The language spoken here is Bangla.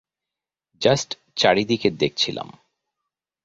জাস্ট চারিদিকে দেখছিলাম।